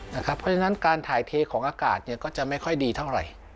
เพราะฉะนั้นการถ่ายเทของอากาศก็จะไม่ค่อยดีเท่าไหร่